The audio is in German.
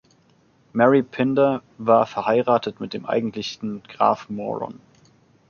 Mary Pinder war verheiratet mit dem eigentlichen Graf Moron.